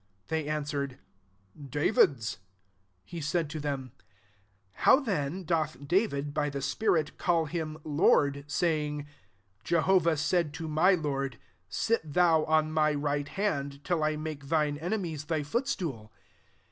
They an swered, " David's." 43 He said to them, " How then doth Da vid, by the spirit, caU him Lord, saying, 44 * Jehovah said to my Lord, Sit thou on my right hand, till I make thine enemies thy footstool